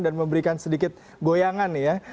dan memberikan sedikit goyangan nih ya